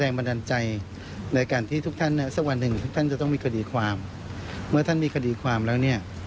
บันดาลใจในการที่ทุกท่านเนี่ยสักวันหนึ่งทุกท่านจะต้องมีคดีความเมื่อท่านมีคดีความแล้วเนี่ย